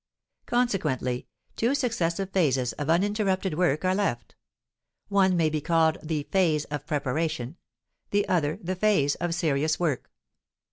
Consequently, two successive phases of uninterrupted work are left; one may be called the phase of preparation, the other the phase of serious work.